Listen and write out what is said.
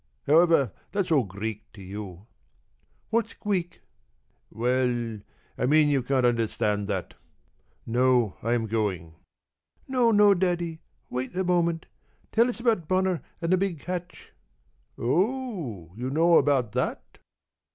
However, that's all Greek to you." "What's Gweek?" "Well, I mean you can't understand that. Now I am going." "No, no, Daddy; wait a moment! Tell us about Bonner and the big catch." "Oh, you know about that!"